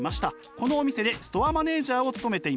このお店でストアマネージャーを務めています。